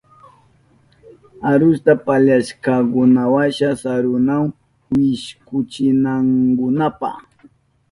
Arusta pallashkankunawasha sarunahun wishkuchinankunapa.